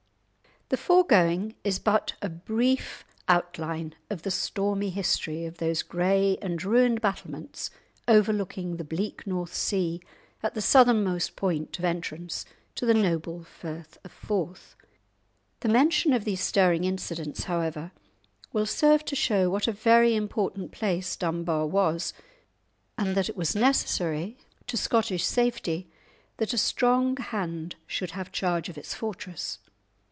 The foregoing is but a brief outline of the stormy history of those grey and ruined battlements overlooking the bleak North Sea at the southernmost point of entrance to the noble Firth of Forth. The mention of these stirring incidents, however, will serve to show what a very important place Dunbar was, and that it was necessary to Scottish safety that a strong hand should have charge of its fortress.